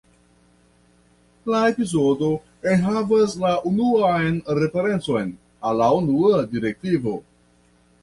La epizodo enhavas la unuan referencon al la Unua direktivo.